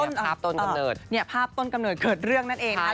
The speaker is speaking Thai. แล้วทางภาพต้นกำเนิดเกิดเรื่องนั่นเองนะครับ